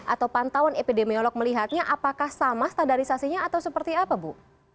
atau pantauan epidemiolog melihatnya apakah sama standarisasinya atau seperti apa bu